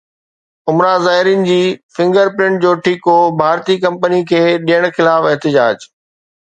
عمره زائرين جي فنگر پرنٽ جو ٺيڪو ڀارتي ڪمپني کي ڏيڻ خلاف احتجاج